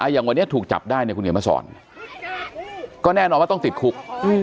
อย่างวันนี้ถูกจับได้เนี่ยคุณเขียนมาสอนก็แน่นอนว่าต้องติดคุก